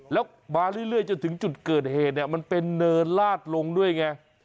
แล้วมาเรื่อยจนถึงจุดเกิดเหตุเนี่ยมันเป็นเนินลาดลงด้วยไง